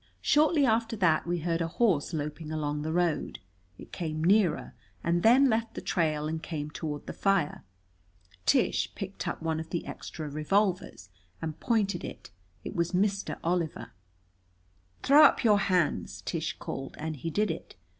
Shortly after that we heard a horse loping along the road. It came nearer, and then left the trail and came toward the fire. Tish picked up one of the extra revolvers and pointed it. It was Mr. Oliver! "Throw up your hands!" Tish called. And he did it.